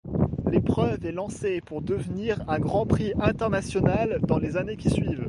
L’épreuve est lancée pour devenir un Grand Prix international dans les années qui suivent.